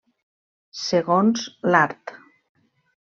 Segons l'art.